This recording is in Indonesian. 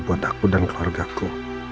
buat aku dan keluarga ku